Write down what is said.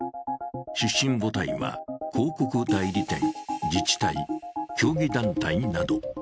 出身母体は広告代理店、自治体、競技団体など。